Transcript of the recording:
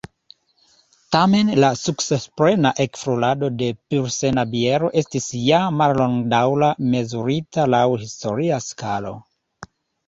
Tamen la sukcesplena ekflorado de pilsena biero estis ja mallongdaŭra, mezurita laŭ historia skalo.